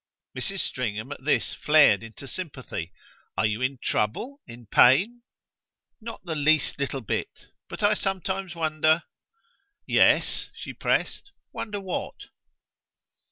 Mrs. Stringham at this flared into sympathy. "Are you in trouble in pain?" "Not the least little bit. But I sometimes wonder !" "Yes" she pressed: "wonder what?"